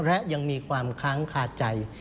และยังมีความค้างคาใจ